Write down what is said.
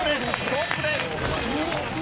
トップです。